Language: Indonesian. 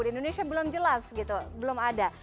di indonesia belum jelas gitu belum ada